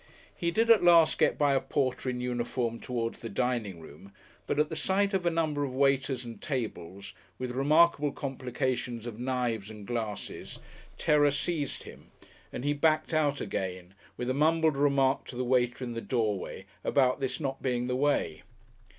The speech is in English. He did at last get by a porter in uniform towards the dining room, but at the sight of a number of waiters and tables, with remarkable complications of knives and glasses, terror seized him, and he backed out again, with a mumbled remark to the waiter in the doorway about this not being the way.